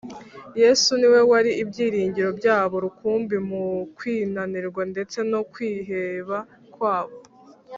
yesu ni we wari ibyiringiro byabo rukumbi mu kwinanirwa ndetse no kwiheba kwabo